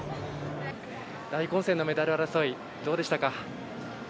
大混戦のメダル争い、どうでしたか？